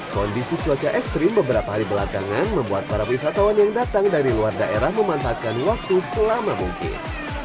kondisi cuaca ekstrim beberapa hari belakangan membuat para wisatawan yang datang dari luar daerah memanfaatkan waktu selama mungkin